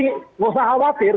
tidak usah khawatir